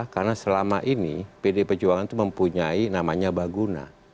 karena selama ini pdi perjuangan itu mempunyai namanya baguna